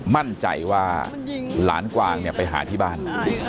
มั่นใจว่าหลานกวางเนี่ยไปหาที่บ้าน